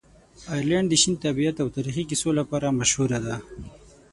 آیرلنډ د شین طبیعت او تاریخي کیسو لپاره مشهوره دی.